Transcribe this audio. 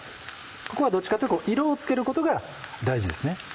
ここはどっちかというと色をつけることが大事ですね。